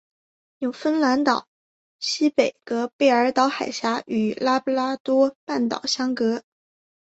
纽芬兰岛西北隔贝尔岛海峡与拉布拉多半岛相隔。